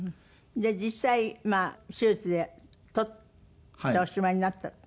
実際まあ手術で取っておしまいになった。